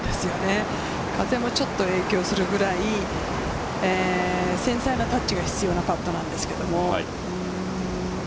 風もちょっと影響するくらい繊細なタッチが必要なパットなんですけれど。